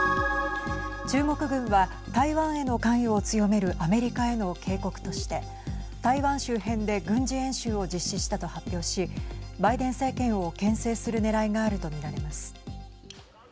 中国軍は、台湾への関与を強めるアメリカへの警告として台湾周辺で軍事演習を実施したと発表しバイデン政権を、けん制するねらいがあるとみられます。